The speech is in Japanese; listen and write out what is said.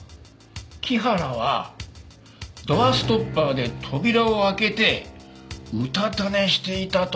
木原はドアストッパーで扉を開けてうたた寝していたと？